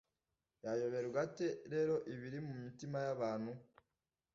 yayoberwa ate rero ibiri mu mitima y’abantu